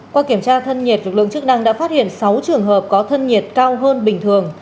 qua kiểm tra thân nhiệt lực lượng chức năng đã phát hiện sáu trường hợp có thân nhiệt cao hơn bình thường